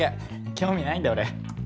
興味ないんで俺。